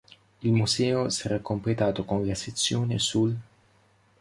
Il museo sarà completato con la sezione sul